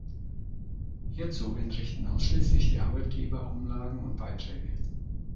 Hierzu entrichten ausschließlich die Arbeitgeber Umlagen und Beiträge.